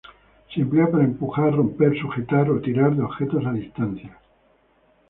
Se emplea para empujar, romper, sujetar o tirar de objetos a distancia.